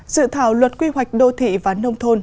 dự thảo luật quy hoạch đô thị và nông thôn